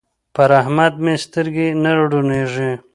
پر احمد مې سترګې نه روڼېږي.